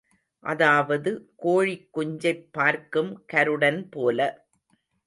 அதாவது கோழிக்குஞ்சைப் பார்க்கும் கருடன் போல.